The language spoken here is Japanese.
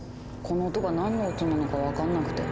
この音が何の音なのか分かんなくて。